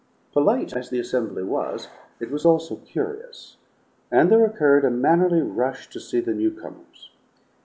Polite as the assembly was, it was also curious, and there occurred a mannerly rush to see the newcomers.